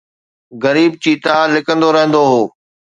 غريب چيتا لڪندو رهندو هو